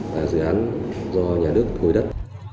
là dự án do nhà nước khối đất